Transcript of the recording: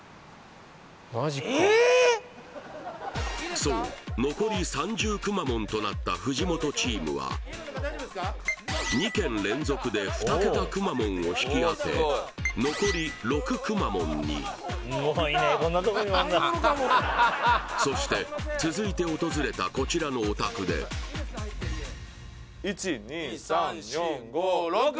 そう残り３０くまモンとなった藤本チームは２軒連続で２桁くまモンを引き当て残り６くまモンにそして続いて訪れたこちらのお宅で１２３４５６！